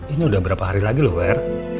ini udah berapa hari lagi loh wer